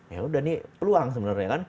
ya udah nih peluang sebenarnya kan